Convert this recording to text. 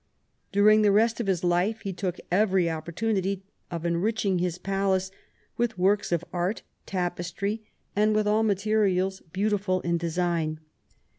During the rest of his life he took every opportunity of enriching his palace with works of art, tapestry, and with all materials beautiful in design.